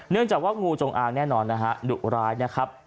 เนื่องจากว่างูจงอางแน่นอนนะฮะดุร้ายนะครับ